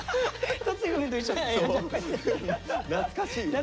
懐かしい。